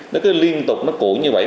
nó cứ liên tục nó củ như vậy